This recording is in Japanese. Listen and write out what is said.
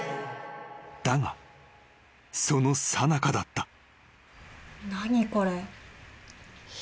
［だがそのさなかだった］